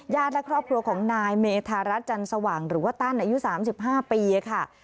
และครอบครัวของนายเมธารัฐจันสว่างหรือว่าตั้นอายุ๓๕ปีค่ะ